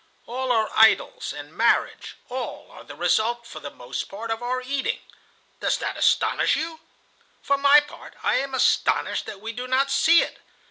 "All our idyls and marriage, all, are the result for the most part of our eating. Does that astonish you? For my part, I am astonished that we do not see it.